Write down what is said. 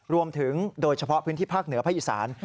รวมถึงโดยเฉพาะพื้นที่ภาคเหนือพระอิสาน